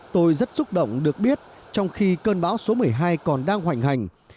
tôi rất xúc động được biết trong khi cơn bão số một mươi hai còn đang hoành hành